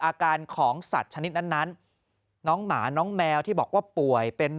อาการของสัตว์ชนิดนั้นน้องหมาน้องแมวที่บอกว่าป่วยเป็น